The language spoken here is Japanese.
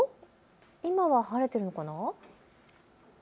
今は晴れているのかな？